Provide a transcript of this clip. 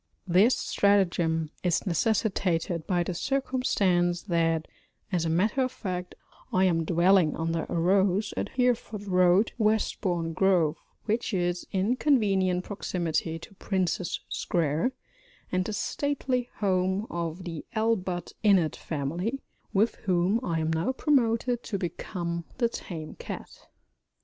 This stratagem is necessitated by the circumstance that (as a matter of fact) I am dwelling under a rose at Hereford Road, Westbourne Grove, which is in convenient proximity to Prince's Square and the stately home of the ALLBUTT INNETT family, with whom I am now promoted to become the tame cat.